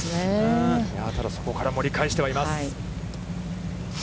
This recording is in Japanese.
ただ、そこから盛り返してはいます。